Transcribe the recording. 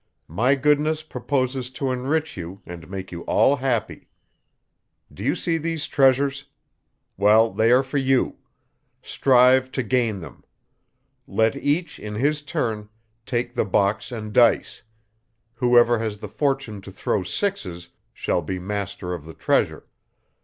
My goodness proposes to enrich you, and make you all happy. Do you see these treasures? Well, they are for you; strive to gain them; let each, in his turn, take the box and dice; whoever has the fortune to throw sixes, shall be master of the treasure.